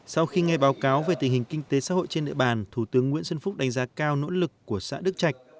sau khi nghe báo cáo về tình hình kinh tế xã hội trên địa bàn thủ tướng nguyễn xuân phúc đánh giá cao nỗ lực của xã đức trạch